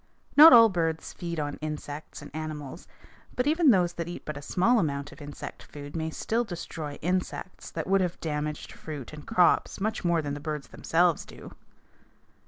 Not all birds feed on insects and animals; but even those that eat but a small amount of insect food may still destroy insects that would have damaged fruit and crops much more than the birds themselves do.